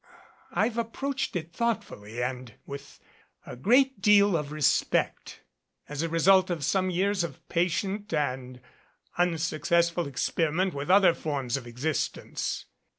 I've approached it thoughtfully and with a great deal of respect, as a result of some years of patient and unsuccessful experiment with other forms of existence.